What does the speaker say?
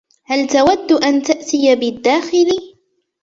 هل تود أن تأتي بالداخِل ؟